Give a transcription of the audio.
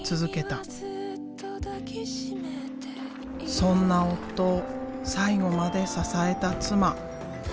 そんな夫を最後まで支えた妻。